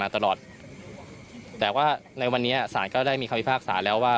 ตลอดแต่ว่าในวันนี้ศาลก็ได้มีคำพิพากษาแล้วว่า